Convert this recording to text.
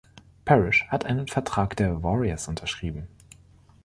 Parish hat einen Vertrag der Warriors unterschrieben.